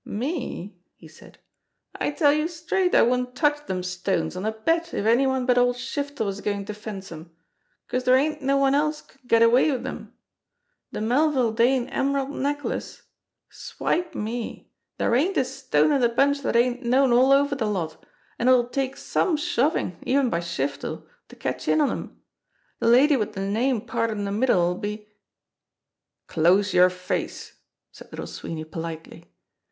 "Me," he said, "I tell youse straight I wouldn't touch dem stones on a bet if any one but old Shiftel was goin' to fence 'em, 'cause dere ain't no one else could get away wid 'em. De Melville Dane emerald necklace! Swipe me! Dere ain't a stone in de bunch dat ain't known all over de lot, an' it'll 138 JIMMIE DALE AND THE PHANTOM CLUE take some shovin', even by Shiftel, to cash in on 'em. De lady wid de name parted in de middle'll be " "Close your face !" said Little Sweeney politely.